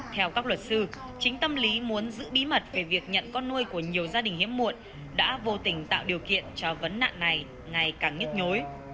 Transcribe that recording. theo các luật sư chính tâm lý muốn giữ bí mật về việc nhận con nuôi của nhiều gia đình hiếm muộn đã vô tình tạo điều kiện cho vấn nạn này ngày càng nhức nhối